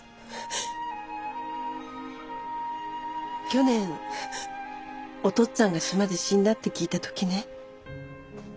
去年お父っつぁんが島で死んだって聞いた時ね